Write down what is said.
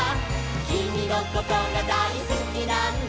「きみのことがだいすきなんだ」